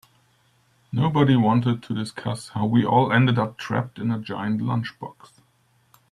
Nobody wanted to discuss how we all ended up trapped in a giant lunchbox.